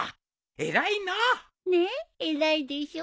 ねえ偉いでしょ。